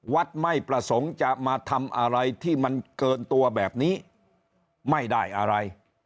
วัดไม่ประสงค์จะมาทำอะไรที่มันเกินตัวแบบนี้ไม่ได้อะไร